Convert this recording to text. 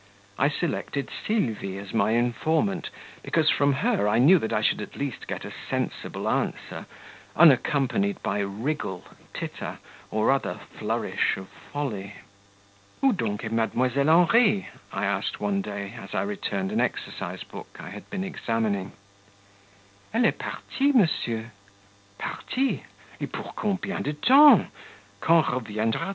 I selected Sylvie as my informant, because from her I knew that I should at least get a sensible answer, unaccompanied by wriggle, titter, or other flourish of folly. "Ou donc est Mdlle. Henri?" I said one day as I returned an exercise book I had been examining. "Elle est partie, monsieur." "Partie? et pour combien de temps? Quand reviendra t elle?"